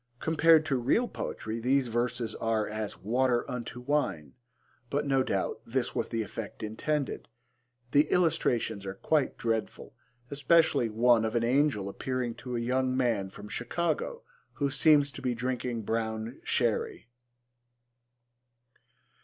Compared to real poetry these verses are as 'water unto wine,' but no doubt this was the effect intended. The illustrations are quite dreadful, especially one of an angel appearing to a young man from Chicago who seems to be drinking brown sherry.